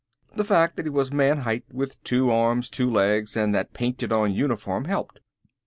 The fact that he was man height with two arms, two legs and that painted on uniform helped.